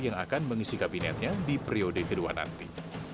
yang akan mengisi kabinetnya di periode kedua nanti